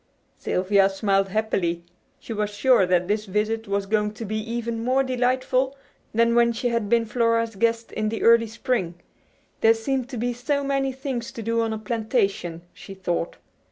Sylvia smiled happily. She was sure that this visit was going to be even more delightful than when she had been Flora's guest in the early spring. There seemed to be so many things to do on a plantation, she thought.